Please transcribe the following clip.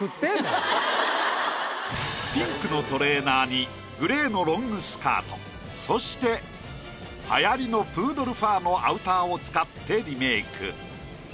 ピンクのトレーナーにグレーのロングスカートそして流行りのプードルファーのアウターを使ってリメイク。